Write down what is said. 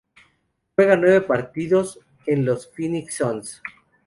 Juega nueve partidos en los Phoenix Suns.